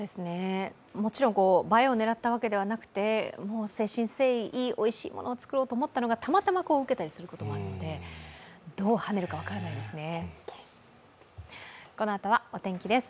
もちろん映えを狙ったわけではなくて、誠心誠意おいしいものを作ったものがたまたまウケたりすることあるので、どうはねるか分からないですね。